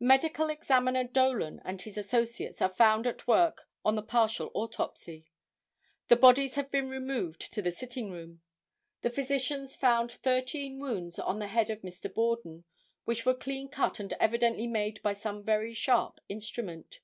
Medical Examiner Dolan and his associates are found at work on the partial autopsy. The bodies had been removed to the sitting room. The physicians found thirteen wounds on the head of Mr. Borden, which were clean cut and evidently made by some very sharp instrument.